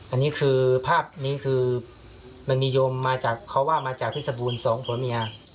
อันนี้คือภาพนี้คือมันมีโยมมาจากเขาว่ามาจากที่สบูรณ์สองผัวเมีย